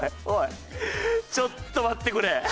おいちょっと待ってくれ。